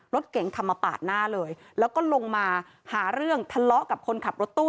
รถเก๋งขับมาปาดหน้าเลยแล้วก็ลงมาหาเรื่องทะเลาะกับคนขับรถตู้